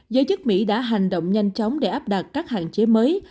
giới chức mỹ đã hành động nhanh chóng để áp đặt các hạn chế mới